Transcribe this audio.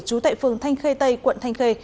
chú tệ phương thanh khê tây quận thanh khê